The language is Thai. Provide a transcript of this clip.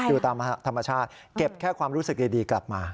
อยู่ตามธรรมชาติเก็บแค่ความรู้สึกดีกลับมา